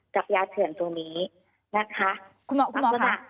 กับยาเถื่อนตรงนี้นะคะ